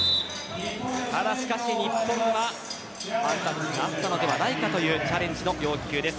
ただ、しかし日本はワンタッチがあったのではないかというチャレンジド、要求です。